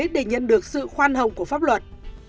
để nhận được sự khoan hồng của pháp luật